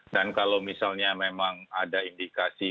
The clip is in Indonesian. dan kalau misalnya memang ada indikasi